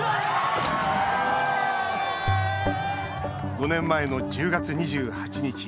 ５年前の１０月２８日